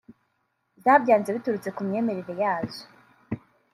zabyanze biturutse ku myemerere yazo